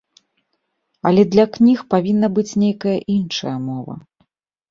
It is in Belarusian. Але для кніг павінна быць нейкая іншая мова.